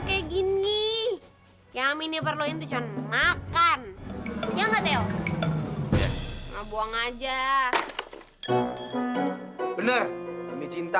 kayak gini yang ini perluin cuman makan ya nggak teo buang aja bener cinta